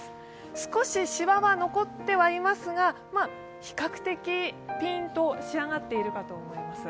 少しシワは残っていますが、比較的ピンと仕上がっていると思います。